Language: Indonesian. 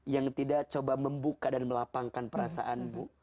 yang tidak coba membuka dan melapangkan perasaanmu